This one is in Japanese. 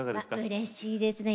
うれしいですね。